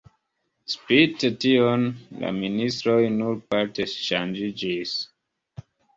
Spite tion la ministroj nur parte ŝanĝiĝis.